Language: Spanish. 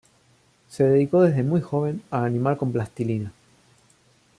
Se dedicó desde muy joven a animar con plastilina.